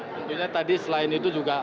tentunya tadi selain itu juga